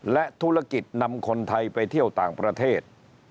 และธุรกิจนำคนไทยไปเที่ยวต่างประเทศ